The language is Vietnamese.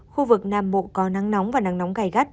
khu vực nam bộ có năng nóng và năng nóng gai gắt